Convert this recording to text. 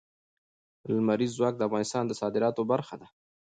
لمریز ځواک د افغانستان د صادراتو برخه ده.